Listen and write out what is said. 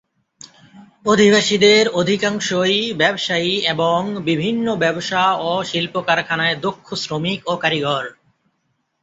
অধিবাসীদের অধিকাংশই ব্যবসায়ী এবং বিভিন্ন ব্যবসা ও শিল্প কারখানায় দক্ষ শ্রমিক ও কারিগর।